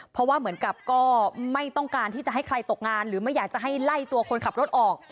เพราะว่าเหมือนกับก็ไม่ต้องการที่จะให้ใครตกงานหรือไม่อยากจะให้ไล่ตัวคนขับรถออก